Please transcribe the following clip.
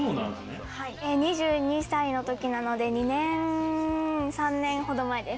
２２歳のときなので２年、３年ほど前です。